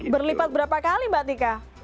berlipat berapa kali mbak tika